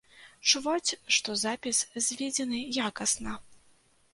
Чуваць, што запіс зведзены якасна.